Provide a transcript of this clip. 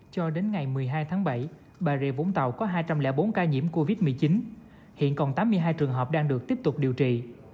cho đến ngày một mươi hai tháng bảy bà rịa vũng tàu có hai trăm linh bốn ca nhiễm covid một mươi chín hiện còn tám mươi hai trường hợp đang được tiếp tục điều trị